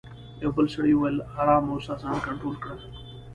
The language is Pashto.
یوه بل سړي وویل: آرام اوسه، ځان کنټرول کړه.